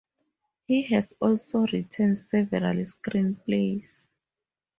He has also written several screenplays.